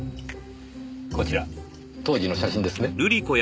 こちら当時の写真ですね。